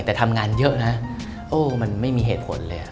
แต่ทำงานเยอะนะโอ้มันไม่มีเหตุผลเลย